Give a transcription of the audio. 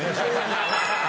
ハハハハ！